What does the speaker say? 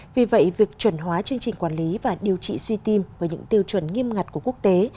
vì vậy việc chuẩn hóa chương trình quản lý và điều trị suy tim với những tiêu chuẩn nghiêm ngặt của quốc tế